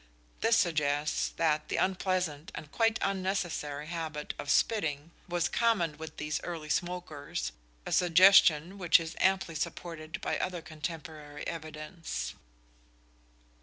This suggests that the unpleasant and quite unnecessary habit of spitting was common with these early smokers, a suggestion which is amply supported by other contemporary evidence.